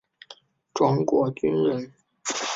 庄国钧人。